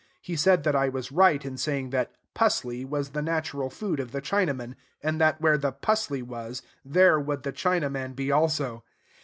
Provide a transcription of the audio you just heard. He said that I was right in saying that "pusley" was the natural food of the Chinaman, and that where the "pusley" was, there would the Chinaman be also.